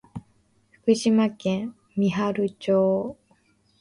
福島県三春町